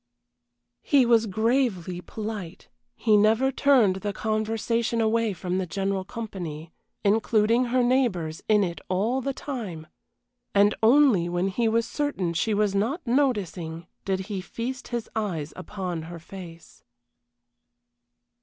He was gravely polite, he never turned the conversation away from the general company, including her neighbors in it all the time, and only when he was certain she was not noticing did he feast his eyes upon her face.